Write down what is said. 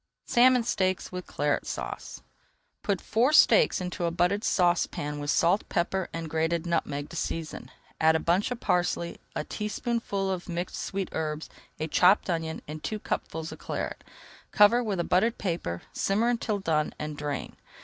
SALMON STEAKS WITH CLARET SAUCE Put four steaks into a buttered saucepan with salt, pepper, and grated nutmeg to season, add a bunch of parsley, a teaspoonful of mixed sweet herbs, a chopped onion, and two cupfuls of Claret. Cover with a buttered paper, simmer until done, and drain.